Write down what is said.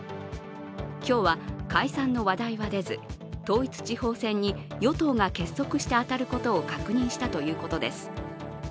今日は解散の話題は出ず統一地方選に与党が結束して当たることを確認したということです。